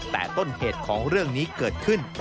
แต่ต้นเหตุของเรื่องนี้เกิดขึ้น